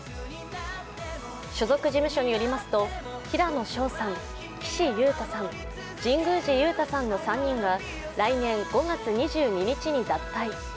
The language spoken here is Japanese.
所属事務所によりますと平野紫耀さん、岸優太さん、神宮寺勇太さんの３人が来年５月２２日に脱退。